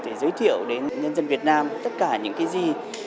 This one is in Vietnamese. để giới thiệu đến nhân dân việt nam tất cả những cái gì